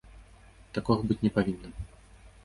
Такога быць не павінна!